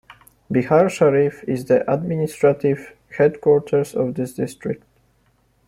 Bihar Sharif is the administrative headquarters of this district.